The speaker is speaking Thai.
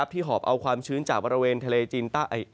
หอบเอาความชื้นจากบริเวณทะเลจีนใต้